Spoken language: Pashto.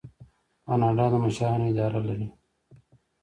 کاناډا د مشرانو اداره لري.